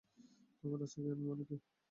তোমার কাছে জ্ঞান মানে কী?